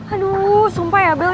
aduh sumpah ya bel